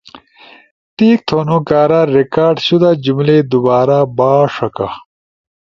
ٹیک تھونو کارا ریکارڈ شدہ جملائی دوبارا با ݜکا